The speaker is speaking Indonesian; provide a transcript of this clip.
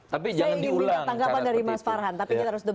tapi jangan diulang